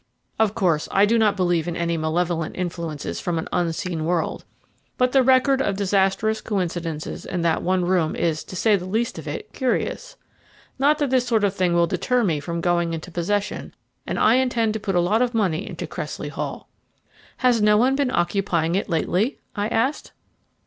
Of course I do not believe in any malevolent influences from the unseen world, but the record of disastrous coincidences in that one room is, to say the least of it, curious. Not that this sort of thing will deter me from going into possession, and I intend to put a lot of money into Cressley Hall." "Has no one been occupying it lately?" I asked.